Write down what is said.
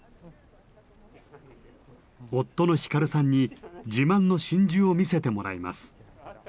夫の光さんに自慢の真珠を見せてもらいます。